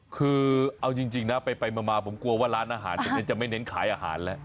คือเอาจริงนะไปมาผมกลัวว่าร้านอาหารตรงนี้จะไม่เน้นขายอาหารแล้ว